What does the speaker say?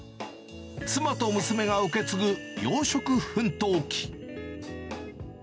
妻と娘が受け継ぐ洋食奮闘記。